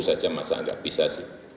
sepuluh saja masa tidak bisa sih